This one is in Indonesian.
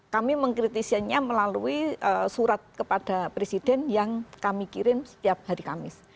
kami mengkritisinya melalui surat kepada presiden yang kami kirim setiap hari kamis